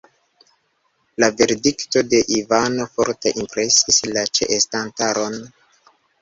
La verdikto de Ivano forte impresis la ĉeestantaron.